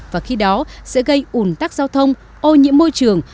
và khi đó sẽ gây ủn tắc giao thông ô nhiễm môi trường